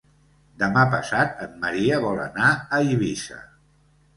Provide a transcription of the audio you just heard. Demà passat en Maria vol anar a Eivissa.